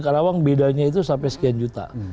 karawang bedanya itu sampai sekian juta